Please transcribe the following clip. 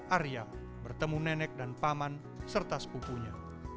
arya bertemu nenek dan paman serta sepupunya